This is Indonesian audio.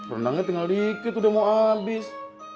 rendangnya tinggal dikit udah mau habis